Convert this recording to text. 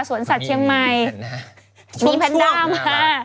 สวนสัตว์เชียงใหม่มีแพนด้ามา